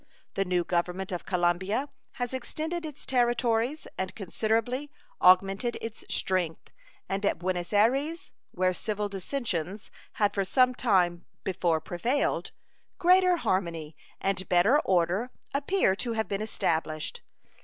The new Government of Colombia has extended its territories and considerably augmented its strength, and at Buenos Ayres, where civil dissensions had for some time before prevailed, greater harmony and better order appear to have been established.